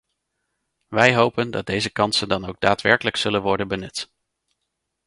Wij hopen dat deze kansen dan ook daadwerkelijk zullen worden benut.